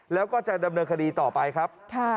แล้วก็จะดำเนินคดีต่อไปครับ